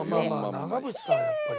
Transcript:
長渕さんはやっぱり。